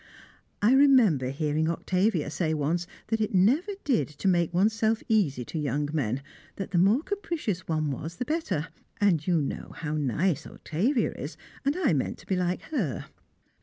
I remember hearing Octavia say once that it never did to make oneself easy to young men, that the more capricious one was the better; and you know how nice Octavia is, and I meant to be like her.